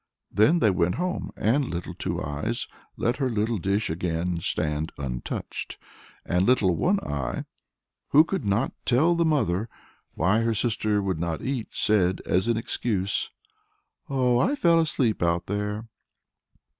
Then they went home, and Little Two Eyes let her little dish again stand untouched; and Little One Eye, who could not tell the mother why her sister would not eat, said, as an excuse, "Oh, I fell asleep out there."